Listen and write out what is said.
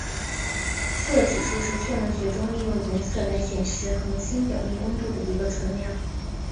色指数是天文学中利用颜色来显示恒星表面温度的一个纯量。